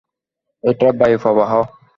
এটা বায়ু প্রবাহ।